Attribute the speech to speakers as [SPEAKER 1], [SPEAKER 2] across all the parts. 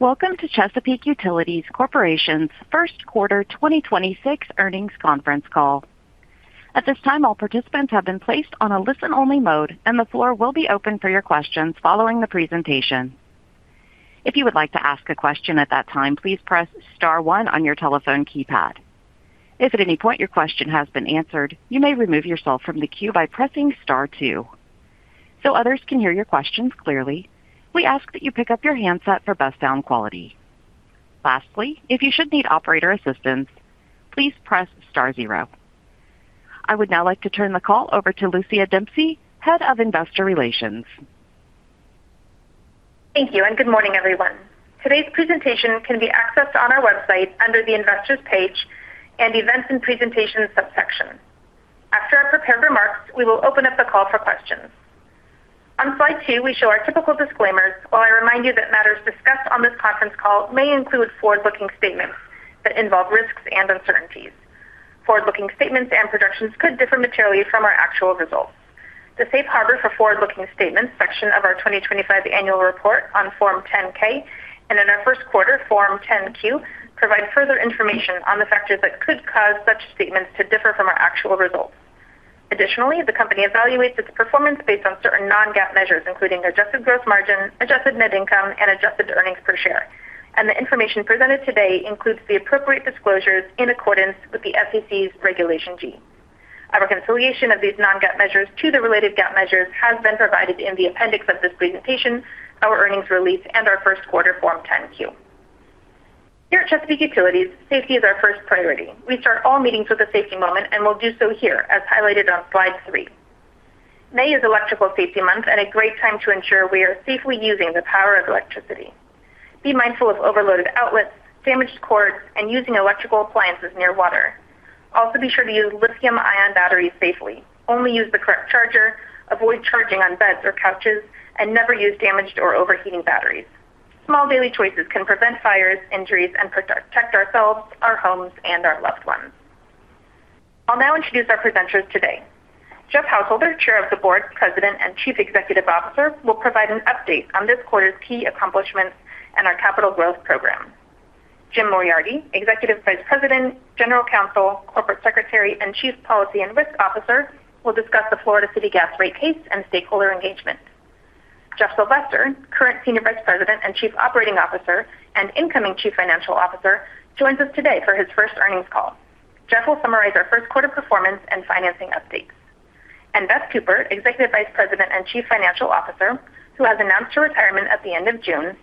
[SPEAKER 1] Welcome to Chesapeake Utilities Corporation's first quarter 2026 earnings conference call. At this time, all participants have been placed on a listen-only mode and the floor will be open for your questions following the presentation. If you would like to ask a question at that time, please press star 1 on your telephone keypad. If at any point your question has been answered, you may remove yourself from the queue by pressing star 2. Others can hear your questions clearly, we ask that you pick up your handset for best sound quality. Lastly, if you should need operator assistance, please press star 0. I would now like to turn the call over to Lucia Dempsey, Head of Investor Relations.
[SPEAKER 2] Thank you and good morning, everyone. Today's presentation can be accessed on our website under the Investors Page and Events and Presentations Subsection. After our prepared remarks, we will open up the call for questions. On slide 2, we show our typical disclaimers, while I remind you that matters discussed on this conference call may include forward-looking statements that involve risks and uncertainties. Forward-looking statements and projections could differ materially from our actual results. The Safe Harbor for Forward-Looking Statements Section of our 2025 annual report on Form 10-K and in our first quarter Form 10-Q provide further information on the factors that could cause such statements to differ from our actual results. Additionally, the company evaluates its performance based on certain non-GAAP measures, including adjusted gross margin, adjusted net income, and adjusted earnings per share. The information presented today includes the appropriate disclosures in accordance with the SEC's Regulation G. Our reconciliation of these non-GAAP measures to the related GAAP measures has been provided in the appendix of this presentation, our earnings release, and our first quarter Form 10-Q. Here at Chesapeake Utilities, safety is our first priority. We start all meetings with a safety moment, and we'll do so here, as highlighted on slide 3. May is Electrical Safety Month and a great time to ensure we are safely using the power of electricity. Be mindful of overloaded outlets, damaged cords, and using electrical appliances near water also be sure to use lithium-ion batteries safely, only use the correct charger, avoid charging on beds or couches, and never use damaged or overheating batteries. Small daily choices can prevent fires, injuries, and protect ourselves, our homes, and our loved ones. I'll now introduce our presenters today. Jeff Householder, Chair of the Board, President, and Chief Executive Officer, will provide an update on this quarter's key accomplishments and our capital growth program. Jim Moriarty, Executive Vice President, General Counsel, Corporate Secretary, and Chief Policy and Risk Officer, will discuss the Florida City Gas rate case and stakeholder engagement. Jeff Sylvester, current Senior Vice President and Chief Operating Officer and incoming Chief Financial Officer, joins us today for his first earnings call. Jeff will summarize our first quarter performance and financing updates. Beth Cooper, Executive Vice President and Chief Financial Officer, who has announced her retirement at the end of June,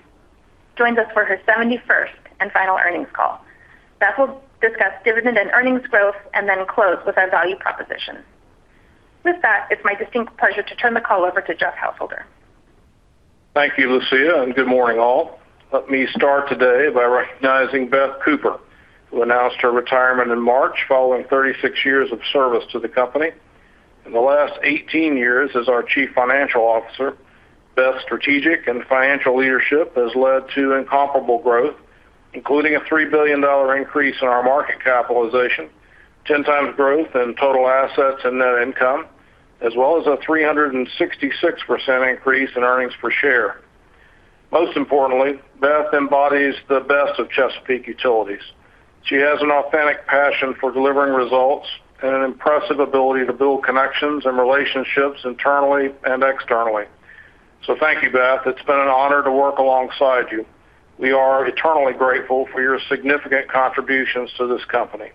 [SPEAKER 2] joins us for her 71st and final earnings call. Beth will discuss dividend and earnings growth and then close with our value proposition. With that, it's my distinct pleasure to turn the call over to Jeff Householder.
[SPEAKER 3] Thank you, Lucia. Good morning, all. Let me start today by recognizing Beth Cooper, who announced her retirement in March following 36 years of service to the company. In the last 18 years as our Chief Financial Officer, Beth's strategic and financial leadership has led to incomparable growth, including a $3 billion increase in our market capitalization, 10 times growth in total assets and net income, as well as a 366% increase in earnings per share. Most importantly, Beth embodies the best of Chesapeake Utilities. She has an authentic passion for delivering results and an impressive ability to build connections and relationships internally and externally. Thank you, Beth. It's been an honor to work alongside you. We are eternally grateful for your significant contributions to this company.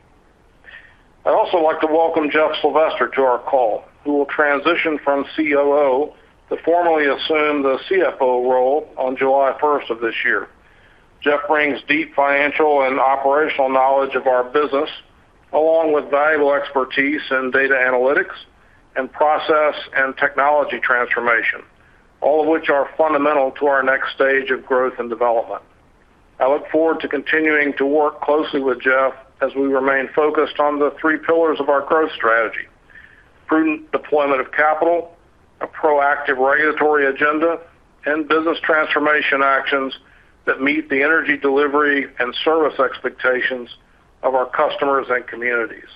[SPEAKER 3] I'd also like to welcome Jeff Sylvester to our call, who will transition from COO to formally assume the CFO role on July 1 of this year. Jeff brings deep financial and operational knowledge of our business along with valuable expertise in data analytics and process and technology transformation, all of which are fundamental to our next stage of growth and development. I look forward to continuing to work closely with Jeff as we remain focused on the 3 pillars of our growth strategy. Prudent deployment of capital, a proactive regulatory agenda, and business transformation actions that meet the energy delivery and service expectations of our customers and communities.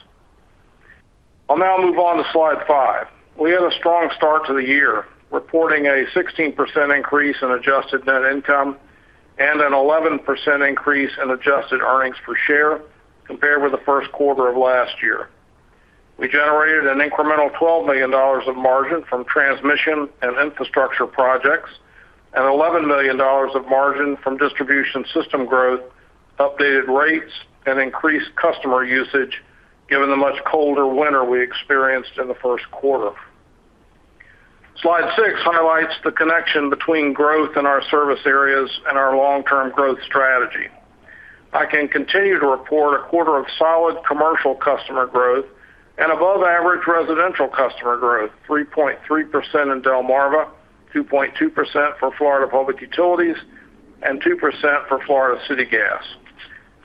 [SPEAKER 3] I'll now move on to slide 5. We had a strong start to the year, reporting a 16% increase in adjusted net income and an 11% increase in adjusted earnings per share compared with the first quarter of last year. We generated an incremental $12 million of margin from transmission and infrastructure projects and $11 million of margin from distribution system growth, updated rates, and increased customer usage, given the much colder winter we experienced in the first quarter. Slide 6 highlights the connection between growth in our service areas and our long-term growth strategy. I can continue to report a quarter of solid commercial customer growth and above average residential customer growth, 3.3% in Delmarva, 2.2% for Florida Public Utilities, and 2% for Florida City Gas.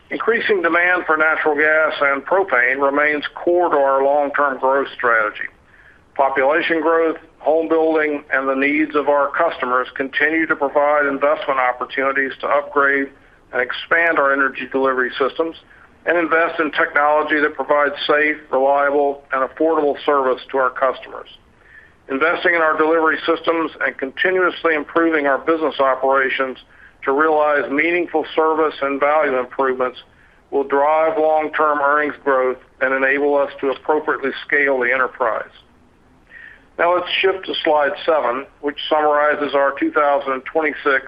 [SPEAKER 3] Increasing demand for natural gas and propane remains core to our long-term growth strategy. Population growth, home building, and the needs of our customers continue to provide investment opportunities to upgrade and expand our energy delivery systems and invest in technology that provides safe, reliable, and affordable service to our customers. Investing in our delivery systems and continuously improving our business operations to realize meaningful service and value improvements will drive long-term earnings growth and enable us to appropriately scale the enterprise. Let's shift to slide 7 which summarizes our 2026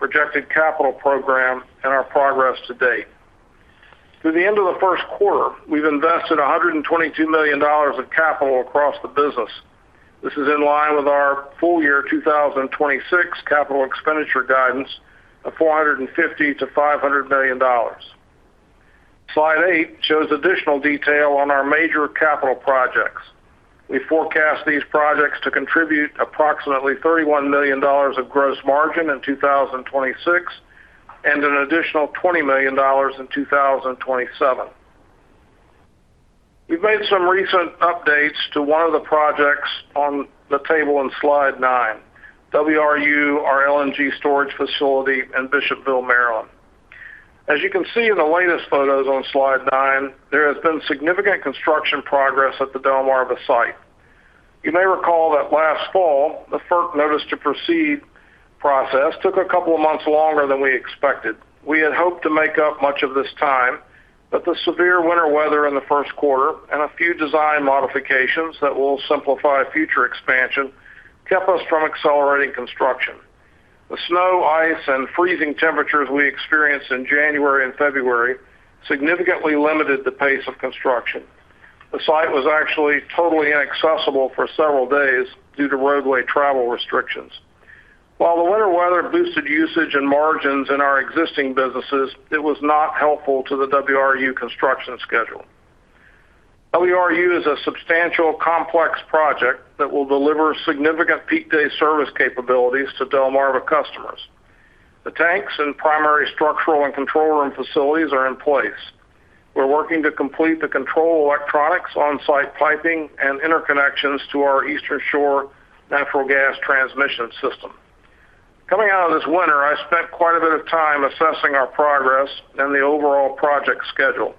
[SPEAKER 3] projected capital program and our progress to date. Through the end of the first quarter, we've invested $122 million of capital across the business. This is in line with our full-year 2026 capital expenditure guidance of $450 million-$500 million. Slide 8 shows additional detail on our major capital projects. We forecast these projects to contribute approximately $31 million of gross margin in 2026 and an additional $20 million in 2027. We've made some recent updates to one of the projects on the table in slide 9, WRU, our LNG storage facility in Bishopville, Maryland. As you can see in the latest photos on slide 9, there has been significant construction progress at the Delmarva site. You may recall that last fall, the FERC Notice to Proceed process took a couple of months longer than we expected. We had hoped to make up much of this time, the severe winter weather in the first quarter and a few design modifications that will simplify future expansion kept us from accelerating construction. The snow, ice, and freezing temperatures we experienced in January and February significantly limited the pace of construction. The site was actually totally inaccessible for several days due to roadway travel restrictions. While the winter weather boosted usage and margins in our existing businesses, it was not helpful to the WRU construction schedule. WRU is a substantial, complex project that will deliver significant peak day service capabilities to Delmarva customers. The tanks and primary structural and control room facilities are in place. We're working to complete the control electronics on-site piping and interconnections to our Eastern Shore Natural Gas Transmission System. Coming out of this winter, I spent quite a bit of time assessing our progress and the overall project schedule.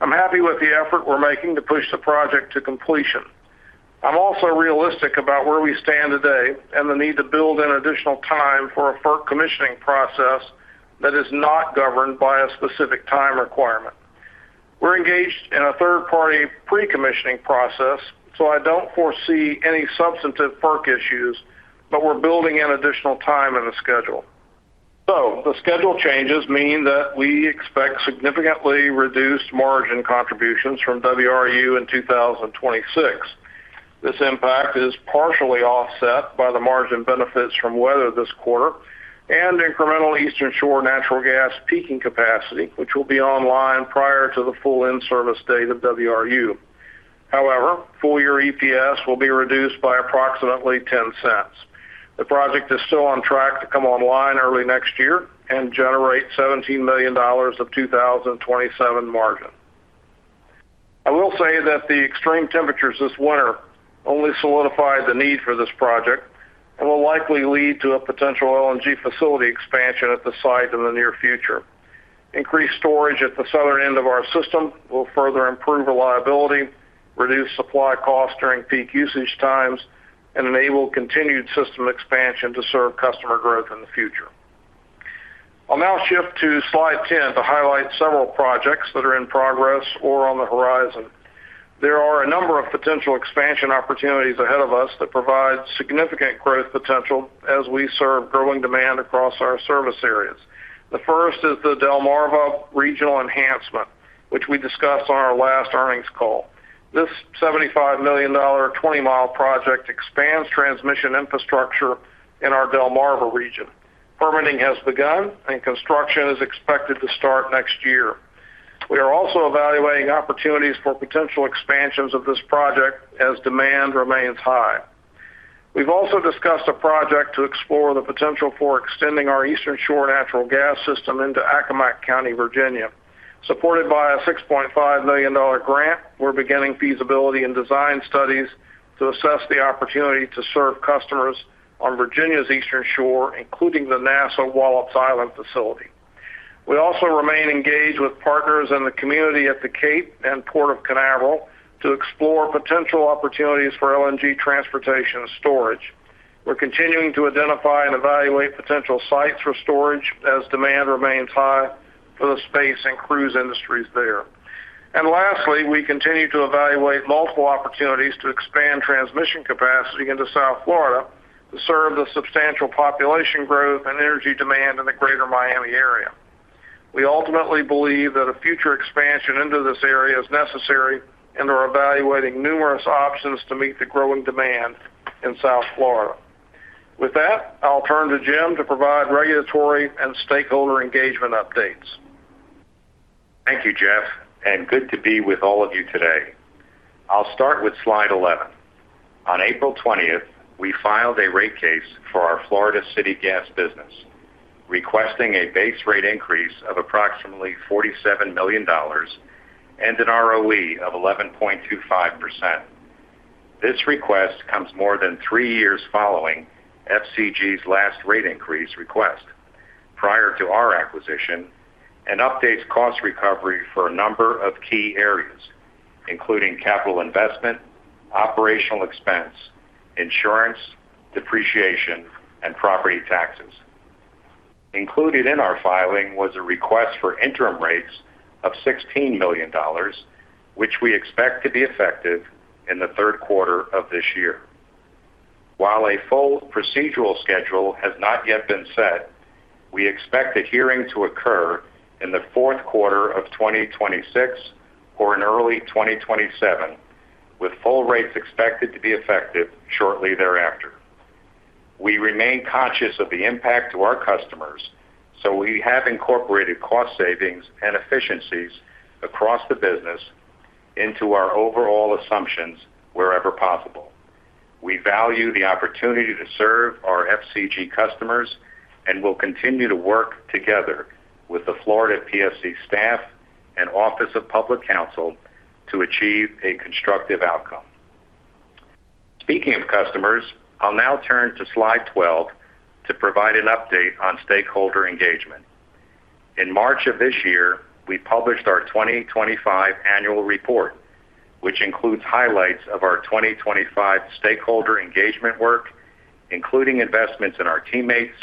[SPEAKER 3] I'm happy with the effort we're making to push the project to completion. I'm also realistic about where we stand today and the need to build in additional time for a FERC commissioning process that is not governed by a specific time requirement. We're engaged in a third-party pre-commissioning process, so I don't foresee any substantive FERC issues, but we're building in additional time in the schedule. The schedule changes mean that we expect significantly reduced margin contributions from WRU in 2026. This impact is partially offset by the margin benefits from weather this quarter and incremental Eastern Shore Natural Gas peaking capacity which will be online prior to the full in-service date of WRU. However, full-year EPS will be reduced by approximately $0.10. The project is still on track to come online early next year and generate $17 million of 2027 margin. I will say that the extreme temperatures this winter only solidified the need for this project and will likely lead to a potential LNG facility expansion at the site in the near future. Increased storage at the southern end of our system will further improve reliability, reduce supply costs during peak usage times, and enable continued system expansion to serve customer growth in the future. I'll now shift to slide 10 to highlight several projects that are in progress or on the horizon. There are a number of potential expansion opportunities ahead of us that provide significant growth potential as we serve growing demand across our service areas. The first is the Delmarva Regional Enhancement which we discussed on our last earnings call. This $75 million 20-mile project expands transmission infrastructure in our Delmarva region. Permitting has begun, and construction is expected to start next year. We are also evaluating opportunities for potential expansions of this project as demand remains high. We've also discussed a project to explore the potential for extending our Eastern Shore Natural Gas system into Accomack County, Virginia. Supported by a $6.5 million grant, we're beginning feasibility and design studies to assess the opportunity to serve customers on Virginia's Eastern Shore, including the NASA Wallops Flight Facility. We also remain engaged with partners in the community at the Cape and Port of Canaveral to explore potential opportunities for LNG transportation and storage. We're continuing to identify and evaluate potential sites for storage as demand remains high for the space and cruise industries there. Lastly, we continue to evaluate multiple opportunities to expand transmission capacity into South Florida to serve the substantial population growth and energy demand in the greater Miami area. We ultimately believe that a future expansion into this area is necessary and are evaluating numerous options to meet the growing demand in South Florida. With that, I'll turn to Jim to provide regulatory and stakeholder engagement updates.
[SPEAKER 4] Thank you, Jeff, and good to be with all of you today. I'll start with slide 11. On April 20th, we filed a rate case for our Florida City Gas business requesting a base rate increase of approximately $47 million and an ROE of 11.25%. This request comes more than 3 years following FCG's last rate increase request. Prior to our acquisition and updates cost recovery for a number of key areas, including capital investment, operational expense, insurance, depreciation, and property taxes. Included in our filing was a request for interim rates of $16 million which we expect to be effective in the third quarter of this year. While a full procedural schedule has not yet been set, we expect the hearing to occur in the fourth quarter of 2026 or in early 2027, with full rates expected to be effective shortly thereafter. We remain conscious of the impact to our customers, so we have incorporated cost savings and efficiencies across the business into our overall assumptions wherever possible. We value the opportunity to serve our Florida City Gas customers and will continue to work together with the Florida Public Service Commission staff and Office of Public Counsel to achieve a constructive outcome. Speaking of customers, I'll now turn to slide 12 to provide an update on stakeholder engagement. In March of this year, we published our 2025 annual report which includes highlights of our 2025 stakeholder engagement work, including investments in our teammates,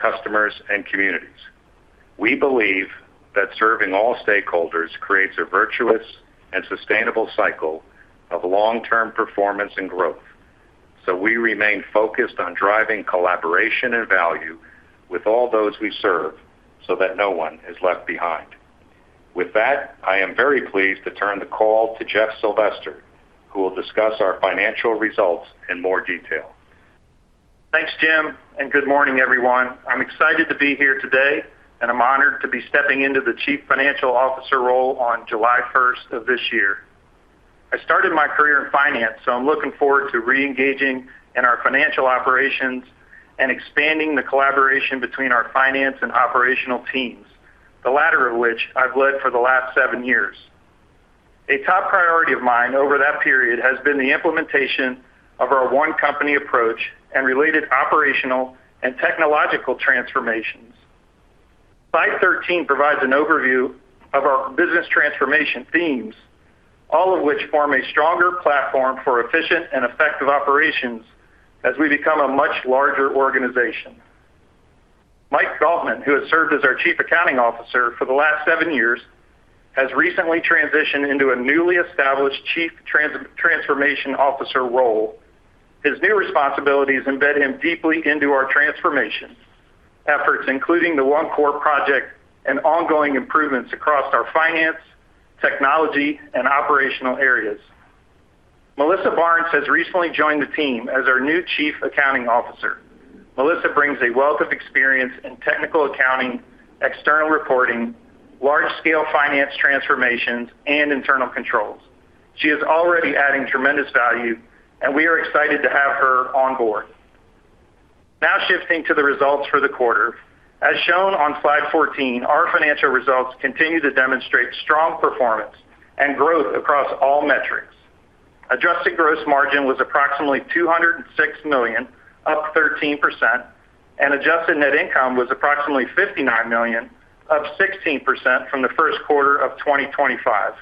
[SPEAKER 4] customers, and communities. We believe that serving all stakeholders creates a virtuous and sustainable cycle of long-term performance and growth. We remain focused on driving collaboration and value with all those we serve so that no one is left behind. With that, I am very pleased to turn the call to Jeff Sylvester, who will discuss our financial results in more detail.
[SPEAKER 5] Thanks, Jim. Good morning, everyone. I'm excited to be here today, and I'm honored to be stepping into the Chief Financial Officer role on July 1st of this year. I started my career in finance, so I'm looking forward to re-engaging in our financial operations and expanding the collaboration between our finance and operational teams, the latter of which I've led for the last 7 years. A top priority of mine over that period has been the implementation of our one company approach and related operational and technological transformations. Slide 13 provides an overview of our business transformation themes, all of which form a stronger platform for efficient and effective operations as we become a much larger organization. Michael Galtman, who has served as our Chief Accounting Officer for the last 7 years has recently transitioned into a newly established Chief Transformation Officer role. His new responsibilities embed him deeply into our transformation efforts, including the OneCore project and ongoing improvements across our finance, technology, and operational areas. Melissa Barnes has recently joined the team as our new Chief Accounting Officer. Melissa brings a wealth of experience in technical accounting, external reporting, large-scale finance transformations, and internal controls. She is already adding tremendous value and we are excited to have her on board. Now shifting to the results for the quarter, as shown on slide 14, our financial results continue to demonstrate strong performance and growth across all metrics. Adjusted gross margin was approximately $206 million up 13%, and adjusted net income was approximately $59 million up 16% from the first quarter of 2025.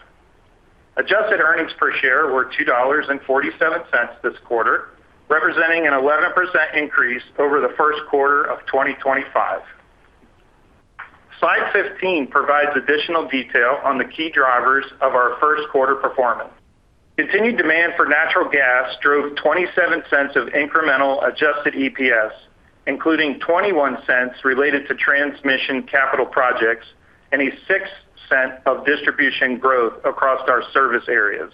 [SPEAKER 5] Adjusted earnings per share were $2.47 this quarter representing an 11% increase over the first quarter of 2025. Slide 15 provides additional detail on the key drivers of our first quarter performance. Continued demand for natural gas drove $0.27 of incremental adjusted EPS, including $0.21 related to transmission capital projects and a $0.06 of distribution growth across our service areas.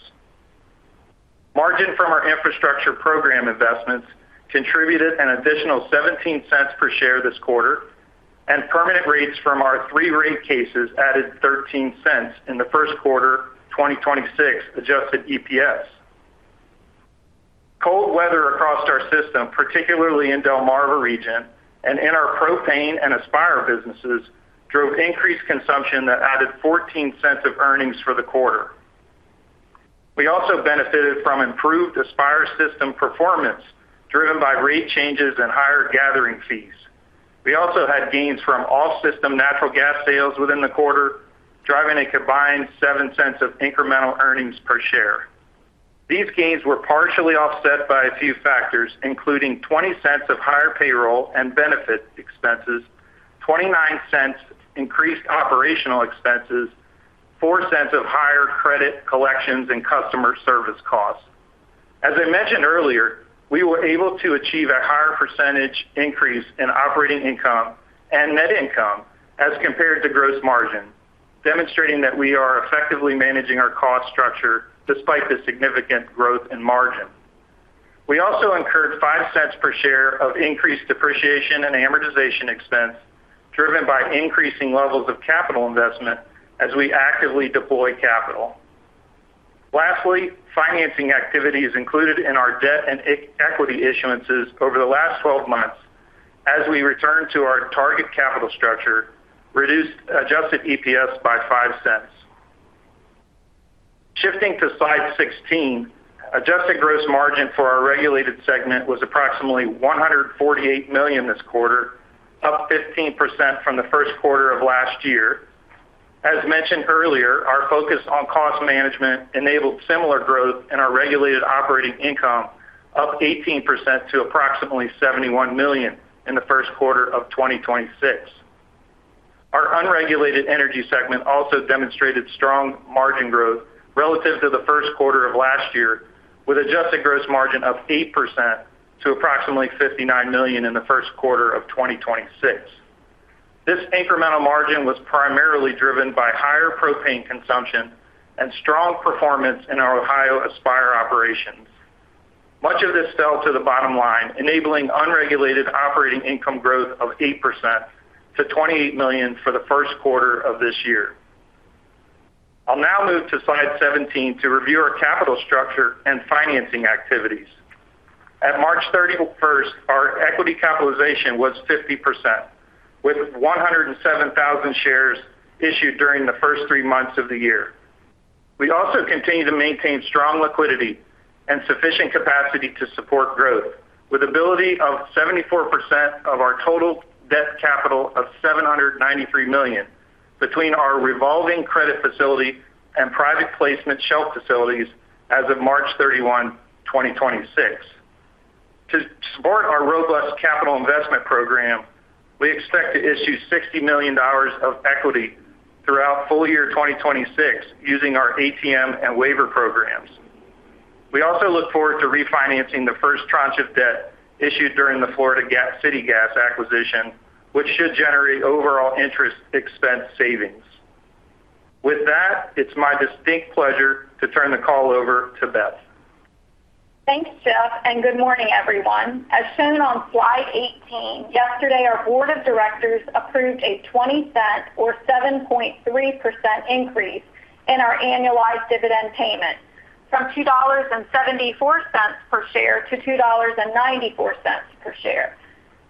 [SPEAKER 5] Margin from our infrastructure program investments contributed an additional $0.17 per share this quarter and permanent rates from our 3 rate cases added $0.13 in the first quarter 2026 adjusted EPS. Cold weather across our system, particularly in Delmarva region and in our propane and Aspire businesses, drove increased consumption that added $0.14 of earnings for the quarter. We also benefited from improved Aspire system performance, driven by rate changes and higher gathering fees. We also had gains from all system natural gas sales within the quarter, driving a combined $0.07 of incremental earnings per share. These gains were partially offset by a few factors, including $0.20 of higher payroll and benefit expenses, $0.29 increased operational expenses, $0.04 of higher credit, collections, and customer service costs. As I mentioned earlier, we were able to achieve a higher percentage increase in operating income and net income as compared to gross margin, demonstrating that we are effectively managing our cost structure despite the significant growth in margin. We also incurred $0.05 per share of increased depreciation and amortization expense driven by increasing levels of capital investment as we actively deploy capital. Lastly, financing activities included in our debt and equity issuances over the last 12 months as we return to our target capital structure reduced adjusted EPS by $0.05. Shifting to slide 16, adjusted gross margin for our regulated segment was approximately $148 million this quarter up 15% from the first quarter of last year. As mentioned earlier, our focus on cost management enabled similar growth in our regulated operating income up 18% to approximately $71 million in the first quarter of 2026. Our unregulated energy segment also demonstrated strong margin growth relative to the first quarter of last year with adjusted gross margin up 8% to approximately $59 million in the first quarter of 2026. This incremental margin was primarily driven by higher propane consumption and strong performance in our Ohio Aspire operations. Much of this fell to the bottom line, enabling unregulated operating income growth of 8% to $28 million for the first quarter of this year. I'll now move to slide 17 to review our capital structure and financing activities. At March 31st, our equity capitalization was 50% with 107,000 shares issued during the first 3 months of the year. We also continue to maintain strong liquidity and sufficient capacity to support growth, with ability of 74% of our total debt capital of $793 million between our revolving credit facility and private placement shelf facilities as of March 31, 2026. To support our robust capital investment program, we expect to issue $60 million of equity throughout full year 2026 using our ATM and waiver programs. We also look forward to refinancing the first tranche of debt issued during the Florida City Gas acquisition which should generate overall interest expense savings. With that, it's my distinct pleasure to turn the call over to Beth.
[SPEAKER 6] Thanks, Jeff. Good morning, everyone. As shown on slide 18, yesterday our Board of Directors approved a $0.20 or 7.3% increase in our annualized dividend payment from $2.74 per share to $2.94 per share.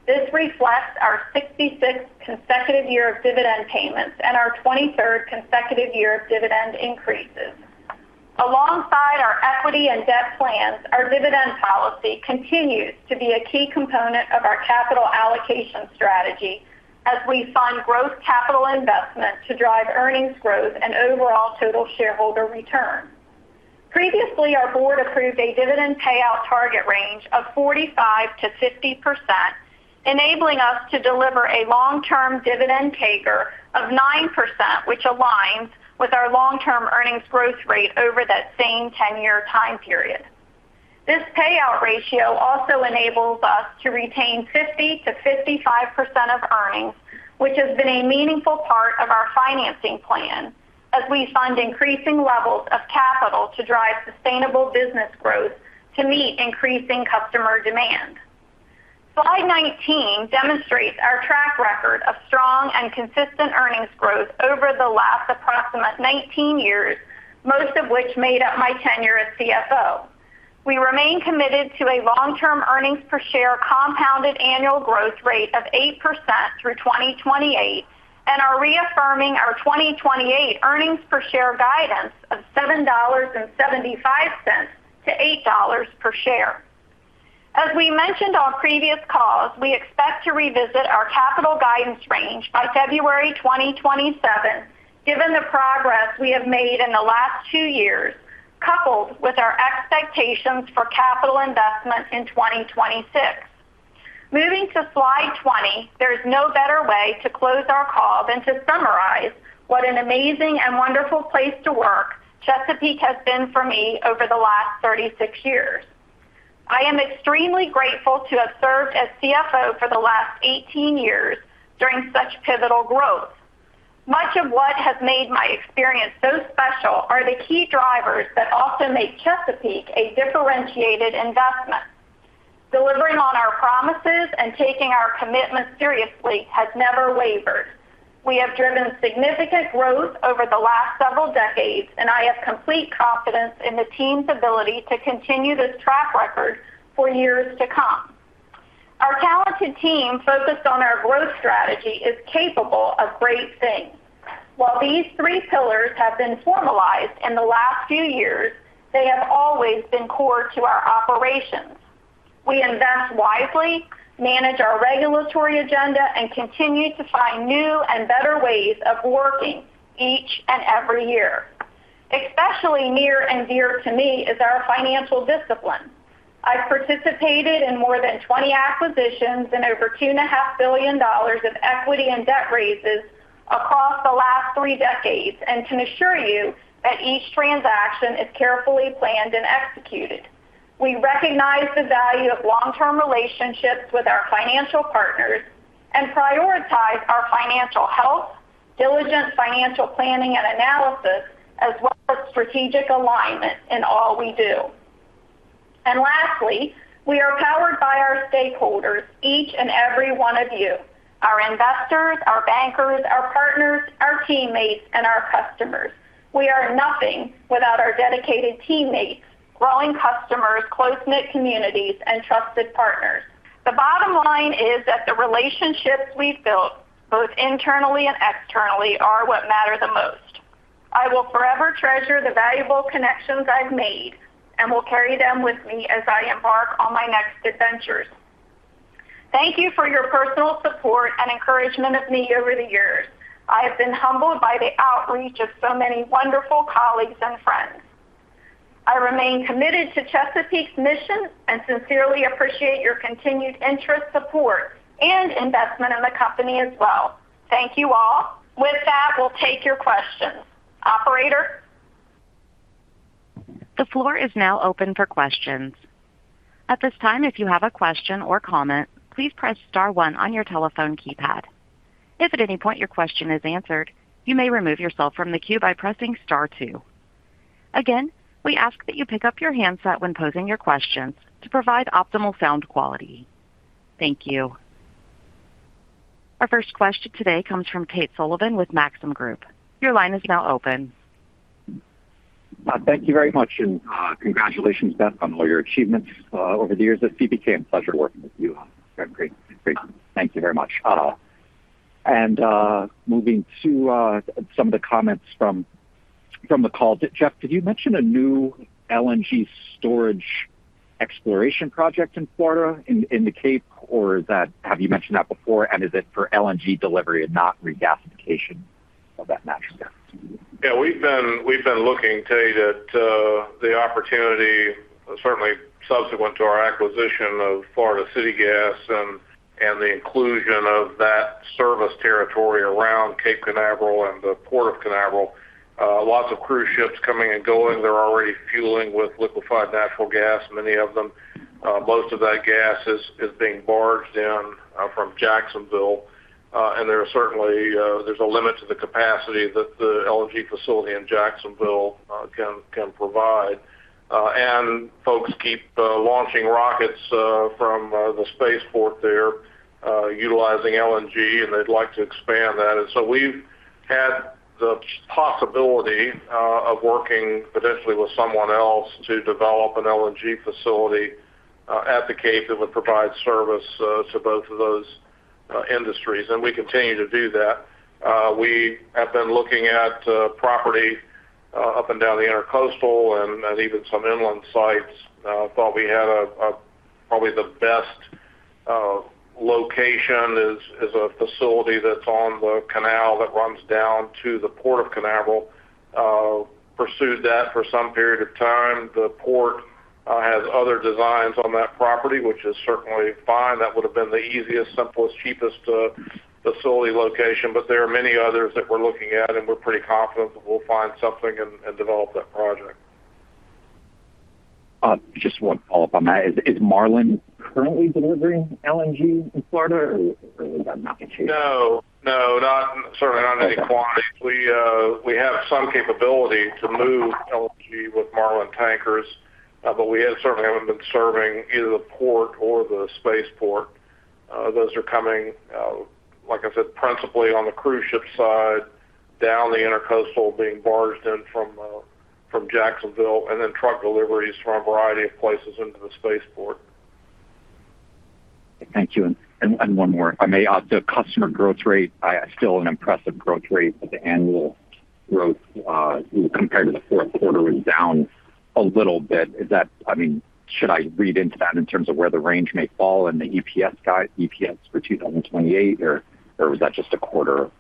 [SPEAKER 6] This reflects our 66th consecutive year of dividend payments and our 23rd consecutive year of dividend increases. Alongside our equity and debt plans, our dividend policy continues to be a key component of our capital allocation strategy as we fund growth capital investment to drive earnings growth and overall total shareholder return. Previously, our Board approved a dividend payout target range of 45%-50%, enabling us to deliver a long-term dividend CAGR of 9% which aligns with our long-term earnings growth rate over that same 10-year time period. This payout ratio also enables us to retain 50%-55% of earnings which has been a meaningful part of our financing plan as we fund increasing levels of capital to drive sustainable business growth to meet increasing customer demand. Slide 19 demonstrates our track record of strong and consistent earnings growth over the last approximate 19 years, most of which made up my tenure as CFO. We remain committed to a long-term earnings per share compounded annual growth rate of 8% through 2028 and are reaffirming our 2028 earnings per share guidance of $7.75-$8.00 per share. As we mentioned on previous calls, we expect to revisit our capital guidance range by February 2027 given the progress we have made in the last 2 years coupled with our expectations for capital investment in 2026. Moving to slide 20, there is no better way to close our call than to summarize what an amazing and wonderful place to work Chesapeake has been for me over the last 36 years. I am extremely grateful to have served as CFO for the last 18 years during such pivotal growth. Much of what has made my experience so special are the key drivers that also make Chesapeake a differentiated investment. Delivering on our promises and taking our commitments seriously has never wavered. We have driven significant growth over the last several decades, and I have complete confidence in the team's ability to continue this track record for years to come. Our talented team focused on our growth strategy is capable of great things. While these 3 pillars have been formalized in the last few years, they have always been core to our operations. We invest wisely, manage our regulatory agenda, and continue to find new and better ways of working each and every year. Especially near and dear to me is our financial discipline. I've participated in more than 20 acquisitions and over $2.5 billion of equity and debt raises across the last three decades, and can assure you that each transaction is carefully planned and executed. We recognize the value of long-term relationships with our financial partners and prioritize our financial health, diligent financial planning and analysis, as well as strategic alignment in all we do. Lastly, we are powered by our stakeholders, each and every one of you, our investors, our bankers, our partners, our teammates, and our customers. We are nothing without our dedicated teammates, growing customers, close-knit communities, and trusted partners. The bottom line is that the relationships we've built both internally and externally are what matter the most. I will forever treasure the valuable connections I've made and will carry them with me as I embark on my next adventures. Thank you for your personal support and encouragement of me over the years. I have been humbled by the outreach of so many wonderful colleagues and friends. I remain committed to Chesapeake's mission and sincerely appreciate your continued interest, support, and investment in the company as well. Thank you all. With that, we'll take your questions. Operator?
[SPEAKER 1] The floor is now open for questions. At this time, if you have a question or comment, please press star 1 on your telephone keypad. If at any point your question is answered, you may remove yourself from the queue by pressing star 2. Again, we ask that you pick up your handset when posing your questions to provide optimal sound quality, thank you. Our first question today comes from Tate Sullivan with Maxim Group. Your line is now open.
[SPEAKER 7] Thank you very much. Congratulations, Beth, on all your achievements over the years at CPK, a pleasure working with you, you've done great. Thank you very much. Moving to some of the comments from the call. Jeff, did you mention a new LNG storage exploration project in Florida in the Cape or have you mentioned that before and is it for LNG delivery and not regasification of that natural gas?
[SPEAKER 3] We've been looking, Tate, at the opportunity, certainly subsequent to our acquisition of Florida City Gas and the inclusion of that service territory around Cape Canaveral and the Port of Canaveral. Lots of cruise ships coming and going. They're already fueling with liquefied natural gas, many of them. Most of that gas is being barged in from Jacksonville. There's a limit to the capacity that the LNG facility in Jacksonville can provide. Folks keep launching rockets from the spaceport there utilizing LNG and they'd like to expand that. So we've had the possibility of working potentially with someone else to develop an LNG facility at the Cape that would provide service to both of those industries and we continue to do that. We have been looking at property up and down the Intracoastal and even some inland sites. Thought we had probably the best location is a facility that's on the canal that runs down to the Port of Canaveral pursued that for some period of time. The port has other designs on that property which is certainly fine. That would have been the easiest, simplest, cheapest facility location. There are many others that we're looking at and we're pretty confident that we'll find something and develop that project.
[SPEAKER 7] Just one follow-up on that. Is Marlin currently delivering LNG in Florida or is that not the case?
[SPEAKER 3] No. No, certainly not in any quantity.
[SPEAKER 7] Okay.
[SPEAKER 3] We have some capability to move LNG with Marlin tankers. We certainly haven't been serving either the port or the space port. Those are coming, like I said, principally on the cruise ship side down the Intracoastal being barged in from Jacksonville and then truck deliveries from a variety of places into the space port.
[SPEAKER 7] Thank you. One more, if I may. The customer growth rate still an impressive growth rate, but the annual growth compared to the fourth quarter was down a little bit. I mean, should I read into that in terms of where the range may fall in the EPS for 2028 or is that just a quarter?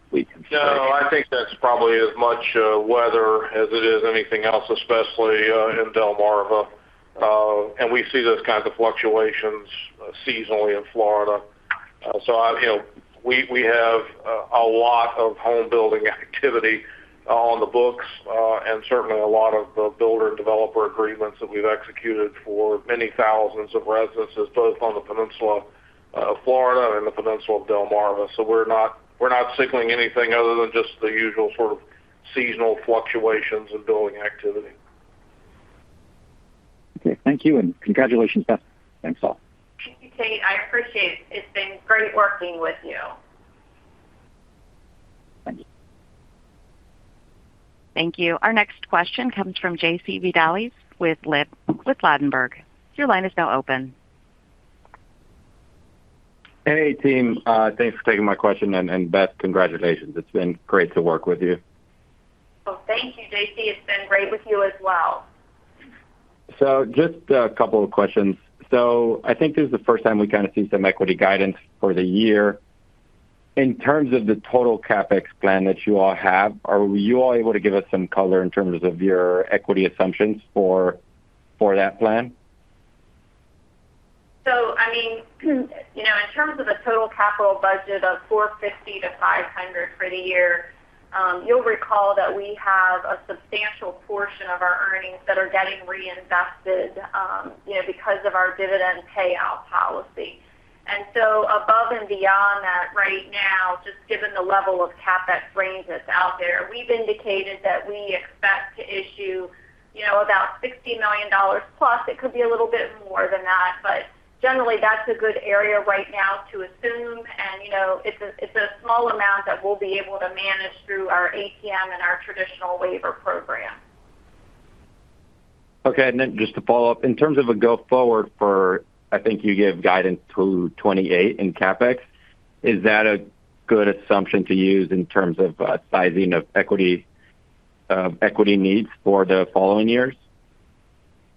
[SPEAKER 3] No, I think that's probably as much weather as it is anything else especially in Delmarva. We see those kinds of fluctuations seasonally in Florida, you know, we have a lot of home building activity on the book and certainly a lot of builder and developer agreements that we've executed for many thousands of residences both on the peninsula of Florida and the peninsula of Delmarva. We're not signaling anything other than just the usual sort of seasonal fluctuations in building activity.
[SPEAKER 7] Okay. Thank you, and congratulations, Beth. Thanks all.
[SPEAKER 6] Thank you, Tate. I appreciate it. It's been great working with you.
[SPEAKER 1] Thank you. Our next question comes from J.C. Vidales with Ladenburg. Your line is now open.
[SPEAKER 8] Hey, team. Thanks for taking my question. Beth, congratulations. It's been great to work with you.
[SPEAKER 6] Oh, thank you, J.C. It's been great with you as well.
[SPEAKER 8] Just a couple of questions. I think this is the first time we kind of see some equity guidance for the year. In terms of the total CapEx plan that you all have, are you all able to give us some color in terms of your equity assumptions for that plan?
[SPEAKER 6] I mean, you know, in terms of the total capital budget of $450 million-$500 million for the year, you'll recall that we have a substantial portion of our earnings that are getting reinvested, you know, because of our dividend payout policy. Above and beyond that right now, just given the level of CapEx range that's out there, we've indicated that we expect to issue, you know, about $60 million plus it could be a little bit more than that. Generally, that's a good area right now to assume, you know, it's a, it's a small amount that we'll be able to manage through our ATM and our traditional waiver program.
[SPEAKER 8] Okay. Just to follow up, in terms of a go forward for, I think you gave guidance through 2028 in CapEx, is that a good assumption to use in terms of sizing of equity needs for the following years?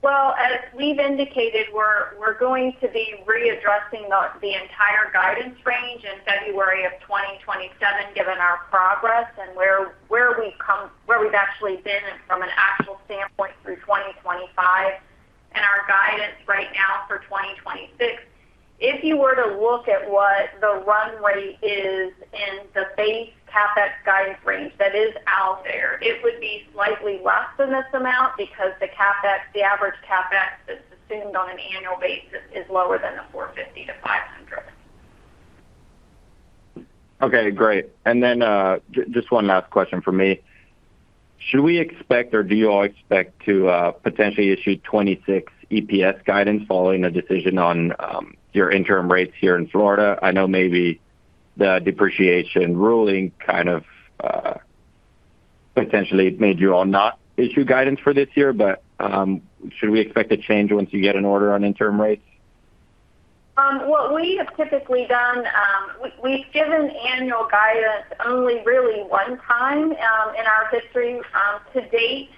[SPEAKER 6] As we've indicated, we're going to be readdressing the entire guidance range in February of 2027 given our progress and where we've actually been from an actual standpoint through 2025 and our guidance right now for 2026. If you were to look at what the runway is in the base CapEx guidance range that is out there, it would be slightly less than this amount because the CapEx, the average CapEx that's assumed on an annual basis is lower than the $450 million-$500 million.
[SPEAKER 8] Okay, great. Just one last question from me. Should we expect or do you all expect to potentially issue 2026 EPS guidance following a decision on your interim rates here in Florida? I know maybe the depreciation ruling kind of potentially made you all not issue guidance for this year, but should we expect a change once you get an order on interim rates?
[SPEAKER 6] What we have typically done, we've given annual guidance only really one time in our history. To date,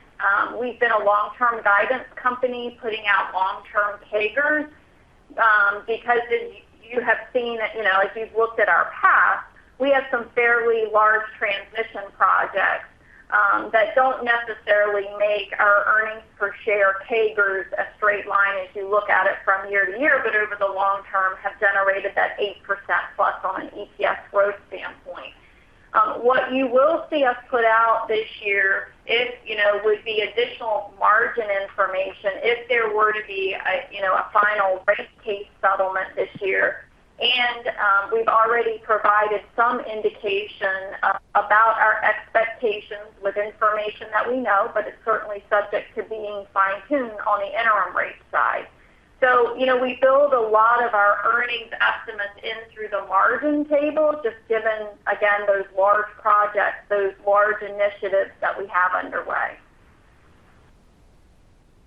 [SPEAKER 6] we've been a long-term guidance company putting out long-term CAGRs because as you have seen, you know, if you've looked at our past, we have some fairly large transition projects that don't necessarily make our earnings per share CAGRs a straight line as you look at it from year to year, but over the long term have generated that 8% plus on an EPS growth standpoint. What you will see us put out this year if would be additional margin information if there were to be a final rate case settlement this year. We've already provided some indication about our expectations with information that we know, but it's certainly subject to being fine-tuned on the interim rate side, you know, we build a lot of our earnings estimates in through the margin table, just given, again, those large projects, those large initiatives that we have underway.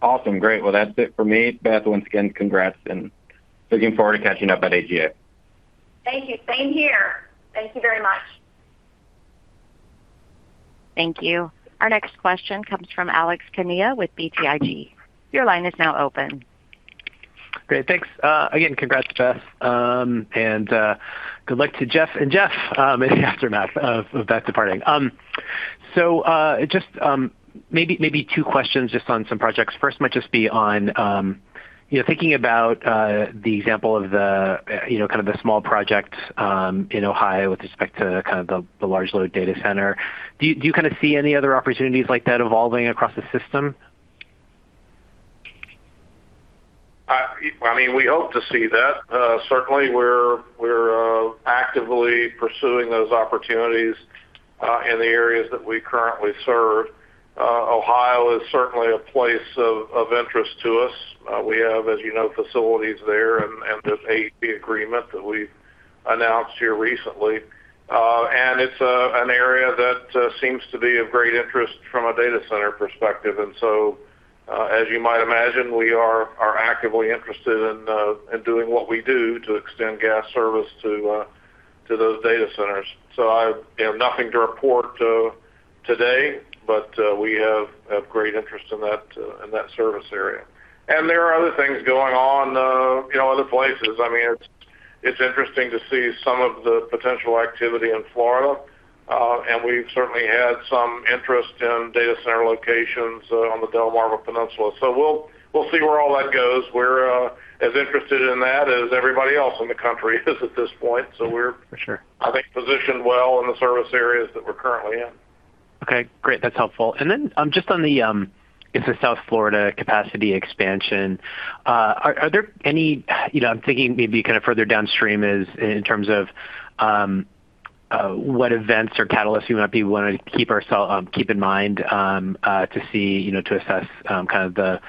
[SPEAKER 8] Awesome. Great. Well, that's it for me. Beth, once again, congrats and looking forward to catching up at AGA.
[SPEAKER 6] Thank you. Same here. Thank you very much.
[SPEAKER 1] Thank you. Our next question comes from Alex Kania with BTIG. Your line is now open.
[SPEAKER 9] Great. Thanks. Again, congrats, Beth. Good luck to Jeff and Jeff, in the aftermath of Beth departing. Just, maybe two questions just on some projects. First might just be on, you know, thinking about, the example of the, you know, kind of the small project in Ohio with respect to kind of the large load data center. Do you kind of see any other opportunities like that evolving across the system?
[SPEAKER 3] I mean, we hope to see that. Certainly we're actively pursuing those opportunities in the areas that we currently serve. Ohio is certainly a place of interest to us. We have, as you know, facilities there and this AP agreement that we announced here recently. It's an area that seems to be of great interest from a data center perspective. As you might imagine, we are actively interested in doing what we do to extend gas service to those data centers. I have nothing to report today, but we have great interest in that service area. There are other things going on, you know, other places. I mean, it's interesting to see some of the potential activity in Florida and we've certainly had some interest in data center locations on the Delmarva Peninsula we'll see where all that goes. We're as interested in that as everybody else in the country is at this point.
[SPEAKER 9] For sure.
[SPEAKER 3] I think positioned well in the service areas that we're currently in.
[SPEAKER 9] Okay, great. That's helpful. Just on the, it's the South Florida capacity expansion. Are there any, you know, I'm thinking maybe kind of further downstream is in terms of, what events or catalysts you might be wanting to keep in mind, to see, you know, to assess, kind of the,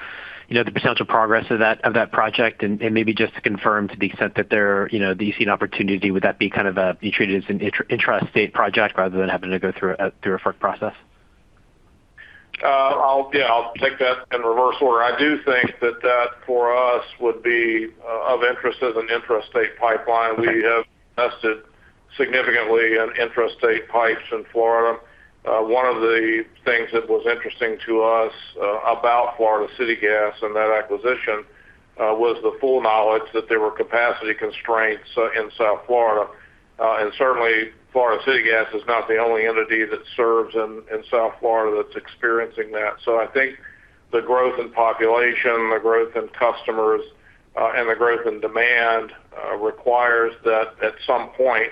[SPEAKER 9] you know, the potential progress of that, of that project maybe just to confirm to the extent that there, you know, do you see an opportunity, would that be treated as an intra-state project rather than having to go through a, through a FERC process?
[SPEAKER 3] Yeah, I'll take that in reverse order. I do think that that for us would be of interest as an intrastate pipeline, we have invested significantly in intrastate pipes in Florida. One of the things that was interesting to us about Florida City Gas and that acquisition was the full knowledge that there were capacity constraints in South Florida. Certainly Florida City Gas is not the only entity that serves in South Florida that's experiencing that. I think the growth in population, the growth in customers, and the growth in demand requires that at some point,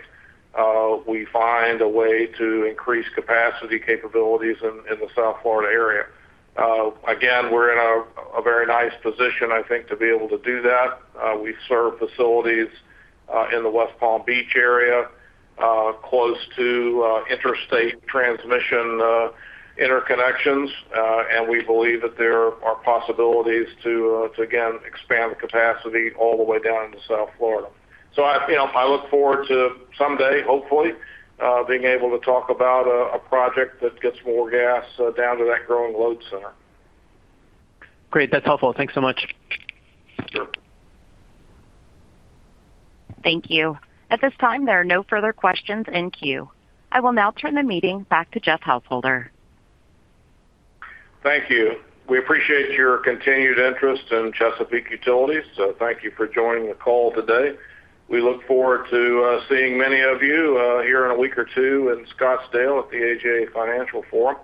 [SPEAKER 3] we find a way to increase capacity capabilities in the South Florida area. Again, we're in a very nice position, I think, to be able to do that. We serve facilities in the West Palm Beach area, close to interstate transmission interconnections. We believe that there are possibilities to again expand the capacity all the way down into South Florida. I, you know, I look forward to someday, hopefully, being able to talk about a project that gets more gas down to that growing load center.
[SPEAKER 9] Great. That's helpful. Thanks so much.
[SPEAKER 3] Sure.
[SPEAKER 1] Thank you. At this time, there are no further questions in queue. I will now turn the meeting back to Jeff Householder.
[SPEAKER 3] Thank you. We appreciate your continued interest in Chesapeake Utilities, so thank you for joining the call today. We look forward to seeing many of you here in a week or 2 in Scottsdale at the AGA Financial Forum.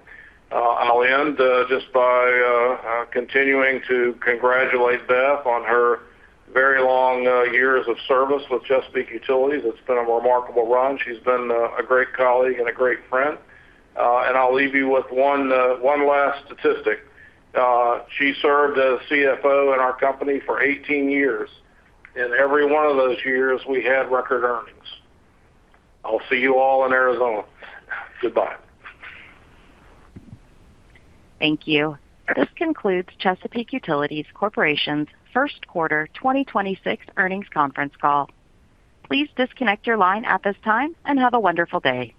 [SPEAKER 3] I'll end just by continuing to congratulate Beth on her very long years of service with Chesapeake Utilities. It's been a remarkable run, she's been a great colleague and a great friend and I'll leave you with 1 last statistic. She served as CFO in our company for 18 years and every one of those years we had record earnings. I'll see you all in Arizona. Goodbye.
[SPEAKER 1] Thank you. This concludes Chesapeake Utilities Corporation's first quarter 2026 earnings conference call. Please disconnect your line at this time and have a wonderful day.